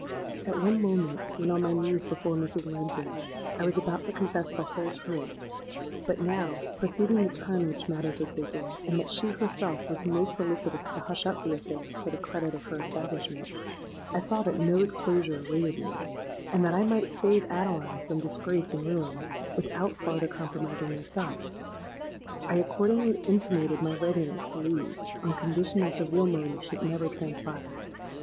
"At one moment, when on my knees before Mrs. Lambkin, I was about to confess the whole truth: but, now perceiving the turn which matters had taken, and that she herself was most solicitous to hush up the affair for the credit of her establishment, I saw that no exposure awaited me, and that I might save Adeline from disgrace and ruin without farther compromising myself. I accordingly intimated my readiness to leave on condition that the real motive should never transpire.